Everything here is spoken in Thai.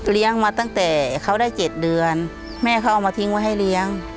มาตั้งแต่เขาได้๗เดือนแม่เขาเอามาทิ้งไว้ให้เลี้ยง